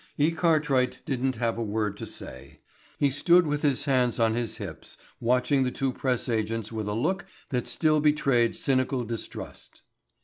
E. Cartwright didn't have a word to say. He stood with his hands on his hips watching the two press agents with a look that still betrayed cynical distrust.